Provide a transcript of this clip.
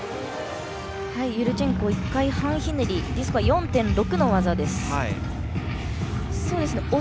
ユルチェンコ１回半ひねりＤスコア４．６の技です。